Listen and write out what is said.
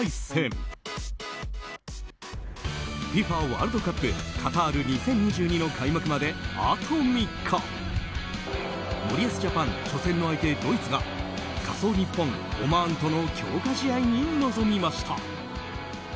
ＦＩＦＡワールドカップカタール２０２２の開幕まで森保ジャパン初戦の相手ドイツが仮想日本、オマーンとの強化試合に臨みました。